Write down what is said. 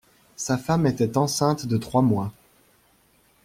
Sa femme était enceinte de trois mois.